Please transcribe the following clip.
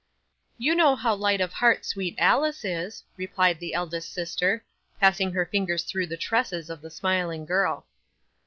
'"You know how light of heart sweet Alice is," replied the eldest sister, passing her fingers through the tresses of the smiling girl.